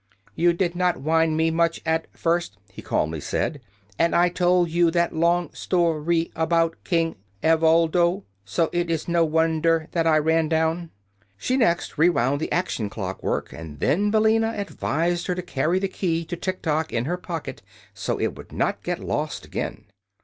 "You did not wind me much, at first," he calmly said, "and I told you that long sto ry a bout King Ev ol do; so it is no won der that I ran down." She next rewound the action clock work, and then Billina advised her to carry the key to Tiktok in her pocket, so it would not get lost again.